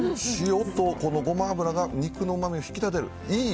塩と、このごま油が肉のうまみを引き立てる。